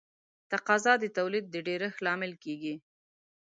تقاضا د تولید د ډېرښت لامل کیږي.